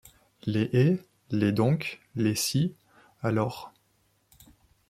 Les « et », les « donc », les « si… alors…